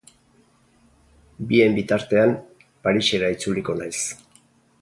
Bien bitartean, Parisera itzuliko naiz.